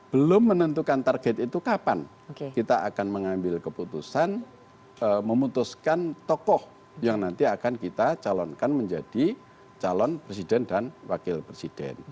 belum menentukan target itu kapan kita akan mengambil keputusan memutuskan tokoh yang nanti akan kita calonkan menjadi calon presiden dan wakil presiden